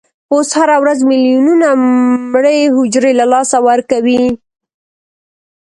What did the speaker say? پوست هره ورځ ملیونونه مړه حجرې له لاسه ورکوي.